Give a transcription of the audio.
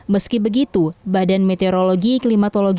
meski begitu badan meteorologi kecil kecil